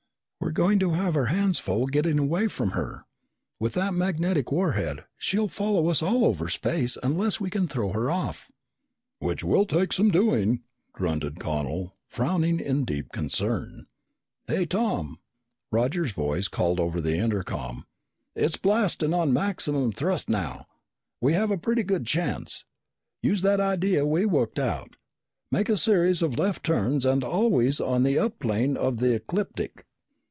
"We're going to have our hands full getting away from her. With that magnetic warhead, she'll follow us all over space unless we can throw her off." "Which will take some doing!" grunted Connel, frowning in deep concern. "Hey, Tom!" Roger's voice called over the intercom. "It's blasting on maximum thrust now. We have a pretty good chance. Use that idea we worked out. Make a series of left turns and always on the up plane of the ecliptic!"